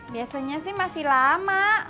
biasanya sih masih lama